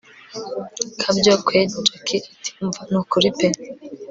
kabyo kweri jack ati umva nukuri pe